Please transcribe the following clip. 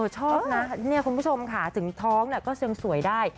ชอบนะนี่คุณผู้ชมค่ะถึงท้องเนี่ยก็ซึงสวยได้